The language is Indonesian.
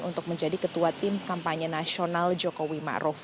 untuk menjadi ketua tim kampanye nasional jokowi maruf